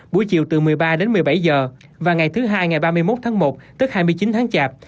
buổi chiều từ một mươi ba đến một mươi bảy giờ và ngày thứ hai ngày ba mươi một tháng một tức hai mươi chín tháng chạp